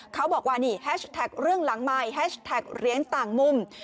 เขาบอกว่านี่แฮชแท็กเรื่องหลังใหม่แฮชแท็กเหรียญต่างมุม